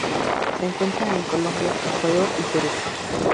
Se encuentra en Colombia, Ecuador, y Perú.